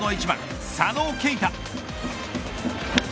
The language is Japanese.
不動の１番佐野恵太。